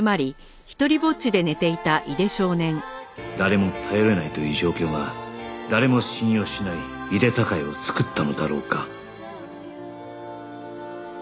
誰も頼れないという状況が誰も信用しない井手孝也を作ったのだろうか